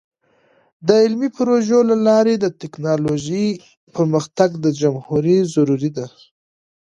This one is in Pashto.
د علمي پروژو له لارې د ټیکنالوژۍ پرمختګ د جمهوری ضروری دی.